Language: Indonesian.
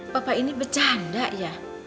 papa ini bercanda ya